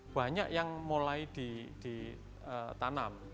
banyak yang mulai ditanam